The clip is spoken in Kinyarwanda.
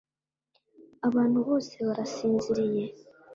Abantu bose barasinziriye